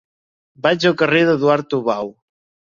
Vaig al carrer d'Eduard Tubau.